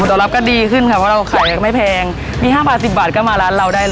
ผลตอบรับก็ดีขึ้นค่ะ